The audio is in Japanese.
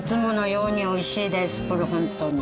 これ本当に。